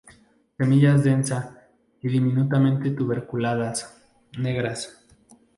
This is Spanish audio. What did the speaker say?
Semillas densa y diminutamente tuberculadas, negras.